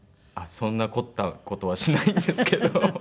そんな凝った事はしないんですけど。